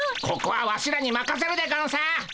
ここはワシらにまかせるでゴンス。